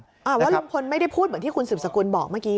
ว่าลุงพลไม่ได้พูดเหมือนที่คุณสืบสกุลบอกเมื่อกี้